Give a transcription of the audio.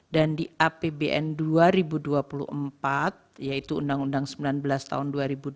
dan di apbn dua ribu dua puluh empat yaitu undang undang sembilan belas tahun dua ribu dua puluh tiga